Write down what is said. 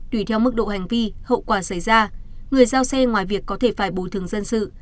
tùy theo mức độ hành vi hậu quả xảy ra người giao xe ngoài việc có thể phải bồi thường dân sự